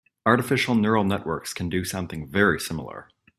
Artificial neural networks can do something very similar.